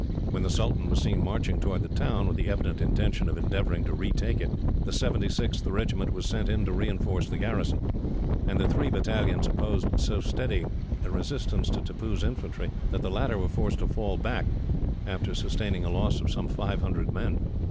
When the sultan was seen marching towards the town, with the evident intention of endeavouring to retake it, the 76th Regiment was sent in to reinforce the garrison; and the three battalions opposed so steady a resistance to Tippoo's infantry that the latter were forced to fall back, after sustaining a loss of five hundred men.